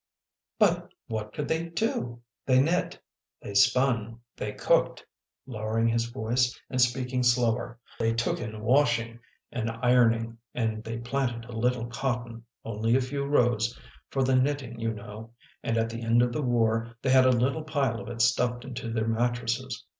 " But what could they do? "" They knit, they spun, they cooked," lowering his voice and speaking slower, " they took in washing and ironing and they planted a little cotton, only a few rows, for the knitting, you know, and at the end of the war they had a little pile of it stuffed into their mattresses.